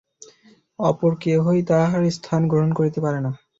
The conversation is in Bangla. অপর কেহই তাঁহার স্থান গ্রহণ করিতে পারে না।